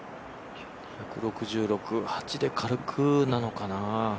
１６６、８で軽くなのかな。